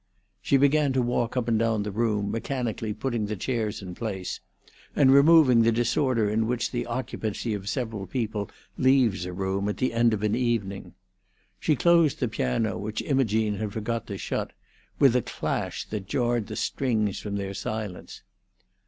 She began to walk up and down the room, mechanically putting the chairs in place, and removing the disorder in which the occupancy of several people leaves a room at the end of an evening. She closed the piano, which Imogene had forgot to shut, with a clash that jarred the strings from their silence.